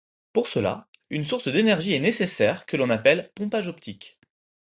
Pour cela, une source d'énergie est nécessaire que l'on appelle pompage optique.